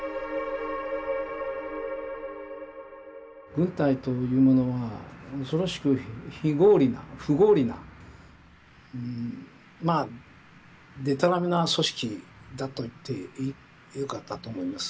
軍隊というものは恐ろしく非合理な不合理なまあでたらめな組織だと言ってよかったと思います。